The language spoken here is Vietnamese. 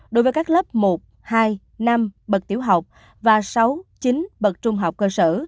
đối với các lớp một hai năm bậc tiểu học và sáu chín bậc trung học cơ sở